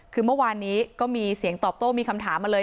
คือเมื่อวานนี้ก็มีเสียงตอบโต้มีคำถามมาเลย